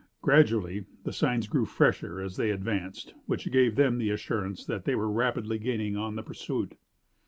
Gradually the signs grew fresher as they advanced, which gave them the assurance that they were rapidly gaining on the pursuit.